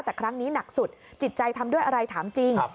แต่ครั้งนี้หนักสุดจิตใจทำด้วยอะไรถามจริง